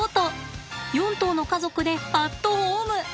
４頭の家族でアットホーム。